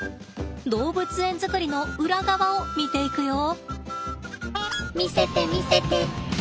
動物園作りの裏側を見ていくよ！